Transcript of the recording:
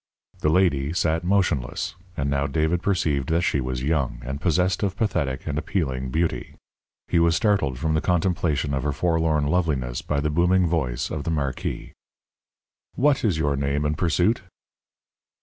The lady sat motionless, and now David perceived that she was young, and possessed of pathetic and appealing beauty. He was startled from the contemplation of her forlorn loveliness by the booming voice of the marquis. "What is your name and pursuit?"